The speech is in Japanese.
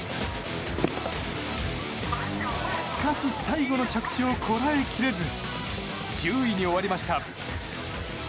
しかし最後の着地をこらえきれず１０位に終わりました。